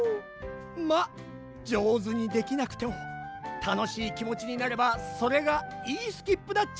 まっじょうずにできなくてもたのしいきもちになればそれがいいスキップだっち！